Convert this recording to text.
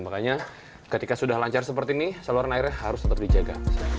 makanya ketika sudah lancar seperti ini saluran airnya harus tetap dijaga